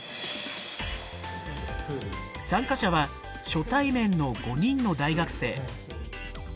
参加者は初対面の５人の大学生。